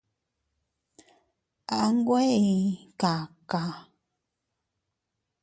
A nwe ii kakaa.